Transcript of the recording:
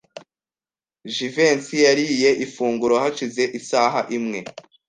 Jivency yariye ifunguro hashize isaha imwe.